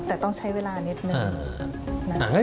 แต่ต้องใช้เวลานิดนึง